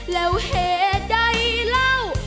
แล้วเหตุใดเล่า